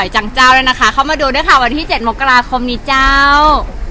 จังเจ้าแล้วนะคะเข้ามาดูด้วยค่ะวันที่๗มกราคมนี้เจ้า